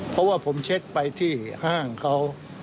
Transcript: เพราะว่าผมเช็คไปที่ห้างเขา